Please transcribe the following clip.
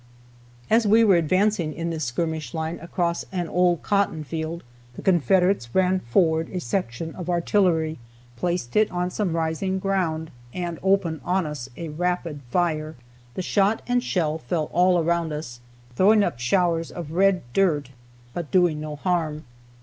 As we were advancing in this skirmish line across an old cotton field, the Confederates ran forward a section of artillery, placed it on some rising ground and opened on us a rapid fire. The shot and shell fell all around us, throwing up showers of red dirt, but doing no harm.